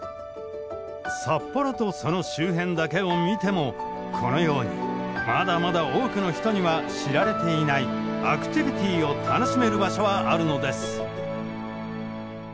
札幌とその周辺だけを見てもこのようにまだまだ多くの人には知られていないアクティビティーを楽しめる場所はあるのです。